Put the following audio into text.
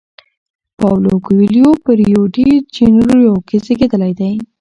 پاولو کویلیو په ریو ډی جنیرو کې زیږیدلی دی.